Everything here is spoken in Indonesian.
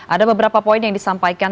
ada beberapa poin yang disampaikan